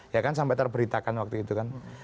ya kan sampai terberitakan waktu itu kan